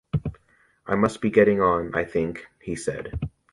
"I must be getting on, I think," he said.